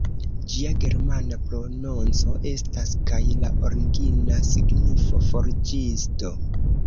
Ĝia germana prononco estas kaj la origina signifo "forĝisto".